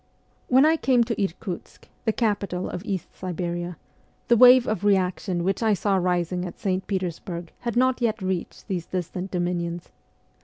When I came to Irkutsk, the capital of East Siberia, the wave of reaction which I saw rising at St. Peters burg had not yet reached these distant dominions.